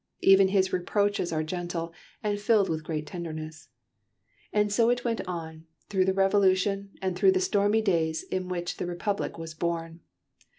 Even his reproaches are gentle, and filled with great tenderness. And so it went on, through the Revolution and through the stormy days in which the Republic was born.